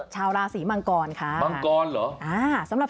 ชาวราศีมังกรครับ